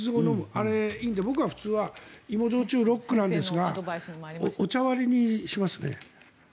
あれ、いいんで僕は普通は芋焼酎ロックなんですがお茶割りにしますね。